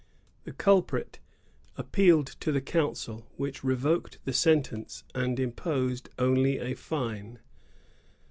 The culprit appealed to the council, which revoked the sentence and imposed only a fine.